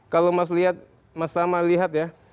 kalau mas lama lihat ya